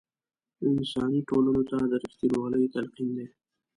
انساني ټولنو ته د رښتینوالۍ تلقین دی.